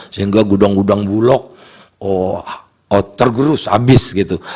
sehingga gudang gudang bulog tergerus habis gitu